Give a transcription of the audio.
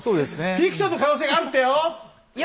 フィクションの可能性があるってよ！